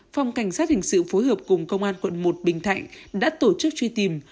phòng cảnh sát hình sự phối hợp cùng công an quận một bình thạnh đã tổ chức truy tìm